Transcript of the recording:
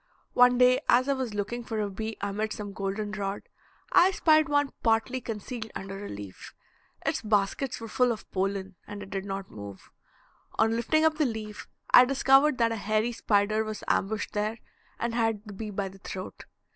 One day as I was looking for a bee amid some golden rod, I spied one partly concealed under a leaf. Its baskets were full of pollen, and it did not move. On lifting up the leaf I discovered that a hairy spider was ambushed there and had the bee by the throat.